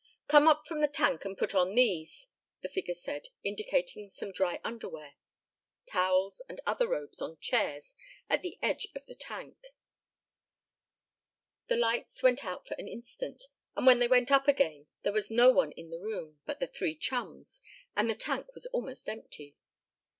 "Come up from the tank and put on these," the figure said, indicating some dry underwear, towels and other robes on chairs at the edge of the tank. The lights went out for an instant, and when they went up again there was no one in the room but the three chums, and the tank was almost empty.